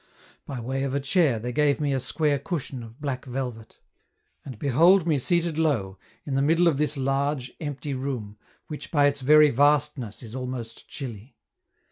By way of a chair, they gave me a square cushion of black velvet; and behold me seated low, in the middle of this large, empty room, which by its very vastness is almost chilly.